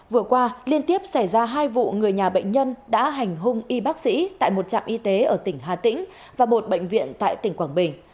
vừa qua liên tiếp xảy ra hai vụ người nhà bệnh nhân đã hành hung y bác sĩ tại một trạm y tế ở tỉnh hà tĩnh và một bệnh viện tại tỉnh quảng bình